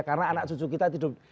karena anak cucu kita hidup di situ